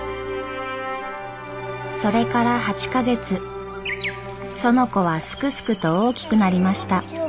それから８か月園子はすくすくと大きくなりました。